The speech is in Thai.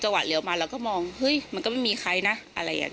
วะเลี้ยวมาเราก็มองเฮ้ยมันก็ไม่มีใครนะอะไรอย่างนี้